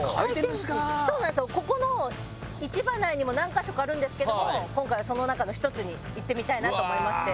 ここの市場内にも何カ所かあるんですけども今回はその中の１つに行ってみたいなと思いまして。